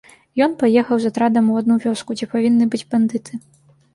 Ён паехаў з атрадам у адну вёску, дзе павінны быць бандыты.